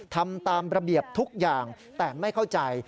ทำตามระเบียบทุกอย่างแต่ไม่เข้าใจ